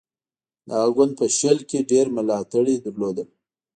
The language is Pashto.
د هغه ګوند په شل کې ډېر ملاتړي لرل.